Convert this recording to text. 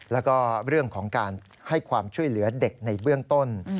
แล้วก็เรื่องของการให้ความช่วยเหลือเด็กในเบื้องต้น